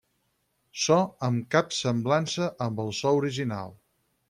So amb cap semblança amb el so original.